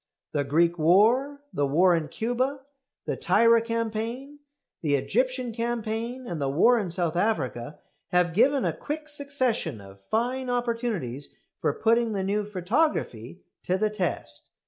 The Greek war, the war in Cuba, the Tirah campaign, the Egyptian campaign, and the war in South Africa, have given a quick succession of fine opportunities for putting the new photography to the test.